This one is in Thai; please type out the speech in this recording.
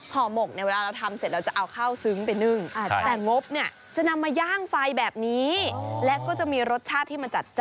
ห่อหมกในเราทำเสร็จเราจะเอาข้าวซึ้งไปนึ่งกันใช่